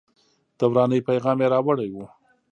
د ورانۍ پیغام یې راوړی و.